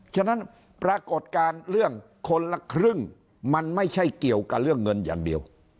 ฉะนั้นปรากฏการณ์เรื่องคนละครึ่งมันไม่ใช่เกี่ยวกับเรื่องเงินอย่างเดียว